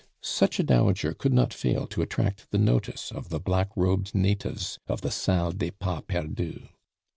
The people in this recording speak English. Such a dowager could not fail to attract the notice of the black robed natives of the Salle des Pas Perdus.